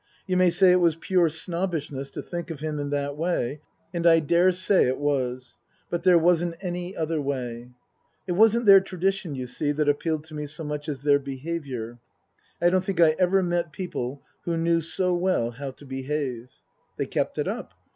You may say it was pure snobbishness to think of him in that way, and I daresay it was ; but there wasn't any other way. It wasn't their tradition, you see, that appealed to me so much as their behaviour. I don't think I ever met people who knew so well how to behave. They kept it up.